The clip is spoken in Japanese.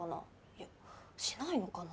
いやしないのかな？